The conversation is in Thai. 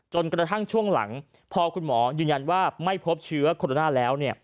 กระทั่งช่วงหลังพอคุณหมอยืนยันว่าไม่พบเชื้อโคโรนาแล้ว